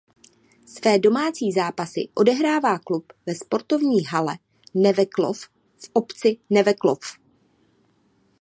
Své domácí zápasy odehrává klub ve sportovní hale Neveklov v obci Neveklov.